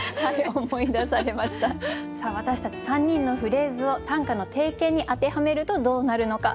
私たち３人のフレーズを短歌の定型に当てはめるとどうなるのか。